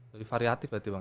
lebih variatif berarti bang